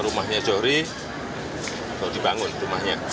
rumahnya zori harus dibangun rumahnya